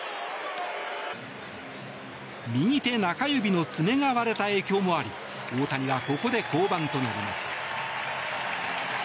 右手中指の爪が割れた影響もあり大谷はここで降板となります。